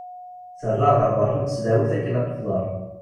Terra ɣer berra n tesdawit akken ad tefḍer.